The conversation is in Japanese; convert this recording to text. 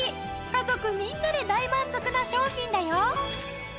家族みんなで大満足な商品だよ。